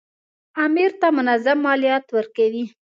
امیر ته منظم مالیات ورکوي.